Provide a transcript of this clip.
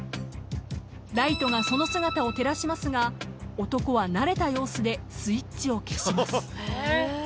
［ライトがその姿を照らしますが男は慣れた様子でスイッチを消します］